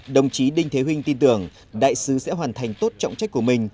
đồng chí đinh thế vinh tin tưởng đại sứ sẽ hoàn thành tốt trọng trách của mình